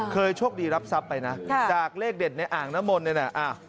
เคยโชคดีรับทรัพย์ไปนะจากเลขเด็ดในอ่างน้ำมนต์เนี่ยนะ